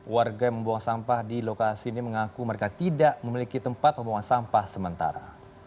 warga yang membuang sampah di lokasi ini mengaku mereka tidak memiliki tempat pembuangan sampah sementara